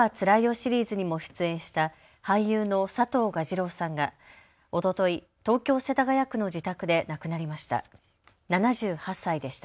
シリーズにも出演した俳優の佐藤蛾次郎さんがおととい、東京・世田谷区の自宅で亡くなりました。